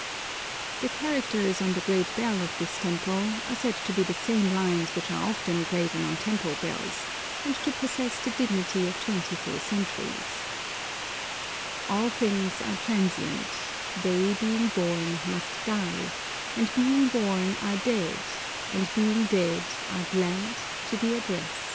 The characters on the great bell of this temple are said to be the same lines which are often graven on temple bells, and to possess the dignity of twenty four centuries: "All things are transient; They being born must die, And being born are dead; And being dead are glad To be at rest."